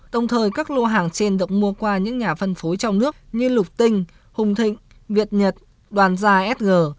đồng thời các lô hàng trên được mua qua những nhà phân phối trong nước như lục tinh hùng thịnh việt nhật đoàn gia sg